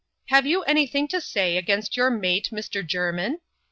81 [aye you anything to say against your mate, Mr.Jermin?"